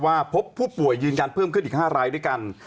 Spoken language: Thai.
พบผู้ป่วยยืนยันเพิ่มขึ้นอีก๕รายด้วยกัน